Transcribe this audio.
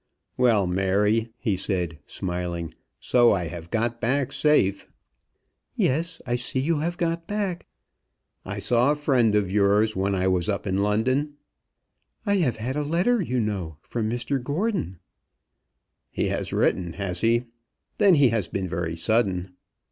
"Well, Mary," he said, smiling, "so I have got back safe." "Yes; I see you have got back." "I saw a friend of yours when I was up in London." "I have had a letter, you know, from Mr Gordon." "He has written, has he? Then he has been very sudden."